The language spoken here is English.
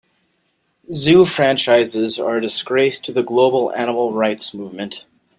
Zoos franchises are a disgrace to the global animal rights movement.